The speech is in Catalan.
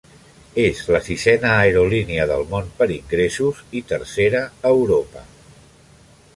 És la sisena aerolínia del món per ingressos i tercera a Europa.